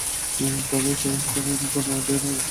তাতে শয়তান ও বনী আদমের হিংসা বিদ্যমান থাকে।